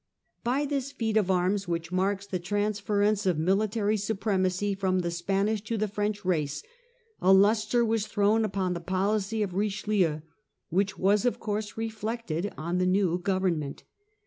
By this feat of arms, which marks the transference of military supremacy from the Spanish to the French race, a lustre was thrown upon the policy of Richelieu which was of course reflected on the new government.